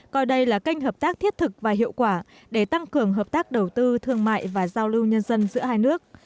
coi đây là kênh hợp tác thiết thực và hiệu quả để tăng cường hợp tác đầu tư thương mại và giao lưu nhân dân giữa hai nước